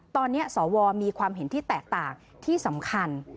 ตอนนี้สวมีความเห็นที่แตกต่างที่สำคัญ